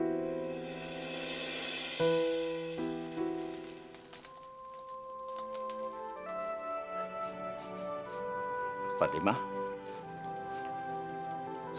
jangan ber quantitas